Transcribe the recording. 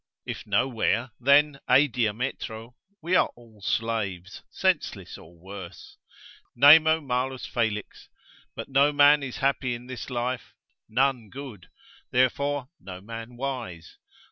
If no where, then e diametro, we are all slaves, senseless, or worse. Nemo malus felix. But no man is happy in this life, none good, therefore no man wise.